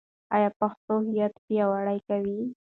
ایا پښتو هویت پیاوړی کوي؟